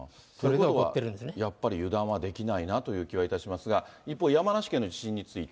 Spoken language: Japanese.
ということは、やっぱり油断はできないなという気はいたしますが、一方、山梨県の地震について。